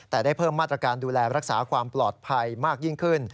แต่ได้เพิ่มมาตรการดูแลรักษาความปลอดภัยมากยิ่งขึ้น